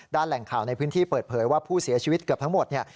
แหล่งข่าวในพื้นที่เปิดเผยว่าผู้เสียชีวิตเกือบทั้งหมดเนี่ย